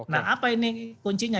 nah apa ini kuncinya